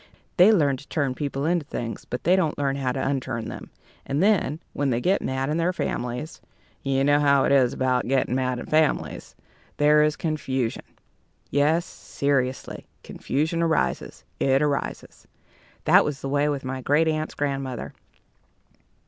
They learn to turn people into things, but they don't learn how to unturn them; and then, when they get mad in their families you know how it is about getting mad in families there is confusion. Yes, seriously, confusion arises. It arises. That was the way with my great aunt's grandmother.